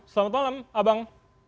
selamat malam abang